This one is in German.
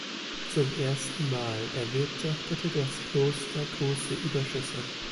Zum ersten Mal erwirtschaftete das Kloster große Überschüsse.